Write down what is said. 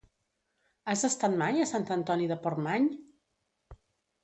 Has estat mai a Sant Antoni de Portmany?